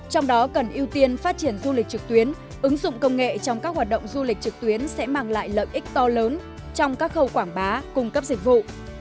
trong đó cần ưu tiên phát triển du lịch trực tuyến ứng dụng công nghệ trong các hoạt động du lịch trực tuyến sẽ mang lại lợi ích to lớn trong các khâu quảng bá cung cấp dịch vụ